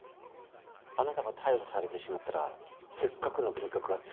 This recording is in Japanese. あなたが逮捕されてしまったらせっかくの計画が潰れてしまいますからね。